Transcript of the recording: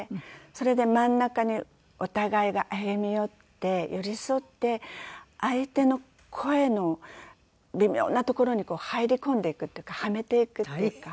それで真ん中にお互いが歩み寄って寄り添って相手の声の微妙なところに入り込んでいくっていうかはめていくっていうか。